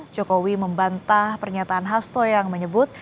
jokowi membantah pernyataan hasto yang menyebut